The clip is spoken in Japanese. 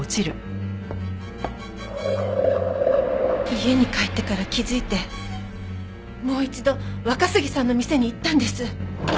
家に帰ってから気づいてもう一度若杉さんの店に行ったんです。